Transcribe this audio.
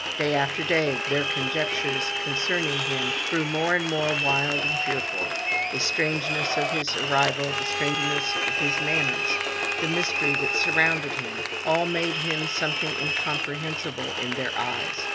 Day after day their conjectures concerning him grew more and more wild and fearful. The strangeness of his arrival, the strangeness of his manners, the mystery that surrounded him, all made him something incom prehensible in their eyes.